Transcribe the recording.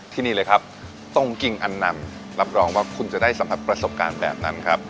ที่นี่เลยครับตรงกิ่งอันนำรับรองว่าคุณจะได้สัมผัสประสบการณ์แบบนั้นครับ